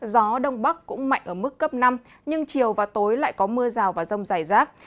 gió đông bắc cũng mạnh ở mức cấp năm nhưng chiều và tối lại có mưa rào và rông dài rác